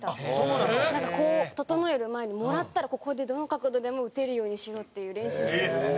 なんかこう整える前にもらったらここでどの角度でも打てるようにしろっていう練習してました。